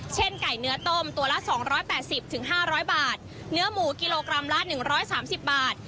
เช่นไก่เนื้อต้มตัวละสองร้อยแปดสิบถึงห้าร้อยบาทเนื้อหมูกิโลกรัมละหนึ่งร้อยสามสิบบาท